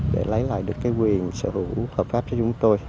để lấy lại được cái quyền sở hữu hợp pháp cho chúng tôi